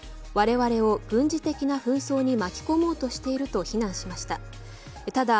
われわれを軍事的な紛争に巻き込もうとしていると非難しました。